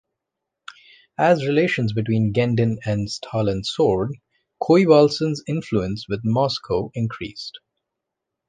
As relations between Genden and Stalin soured, Choibalsan's influence with Moscow increased.